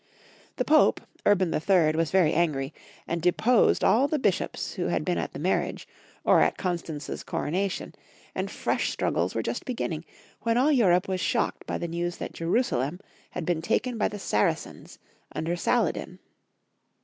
The Pope, Urban ni., was very angry, and deposed all the Bishops who had been at the marriage, or at Constance's coronation, and fresh struggles were just beginning, when all Europe was shocked by the news that Jerusalem had been taken by the Saracens under Saladin.